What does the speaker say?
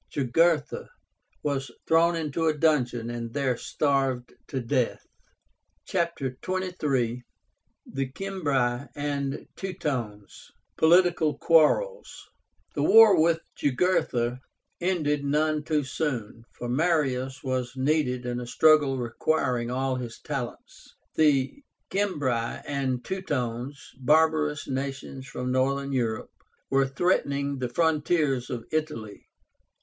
Jugurtha was thrown into a dungeon, and there starved to death. CHAPTER XXIII. THE CIMBRI AND TEUTONES. POLITICAL QUARRELS. The war with Jugurtha ended none too soon, for Marius was needed in a struggle requiring all his talents. The CIMBRI and TEUTONES, barbarous nations from Northern Europe, were threatening the frontiers of Italy.